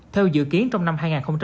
theo dự kiến trong năm hai nghìn hai mươi